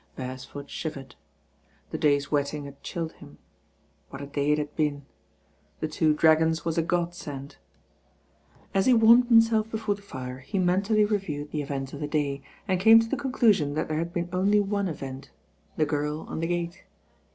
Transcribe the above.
Beresford shivered. The day's wetting had chilled him. What a day it had been. "The Two Dragons" was a godsend. As he warmed himself before the fire, he men tally reviewed the events of the day, and came to the conclusion that there had been only one event, the girl on the gate.